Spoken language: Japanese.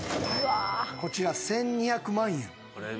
こちら１，２００万円。